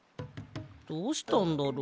どうしたんだろう。